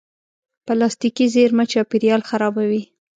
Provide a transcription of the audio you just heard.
پلاستيکي زېرمه چاپېریال خرابوي.